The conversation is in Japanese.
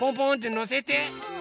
のせて。